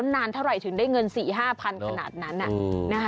นานเท่าไหร่ถึงได้เงินสี่ห้าพันขนาดนั้น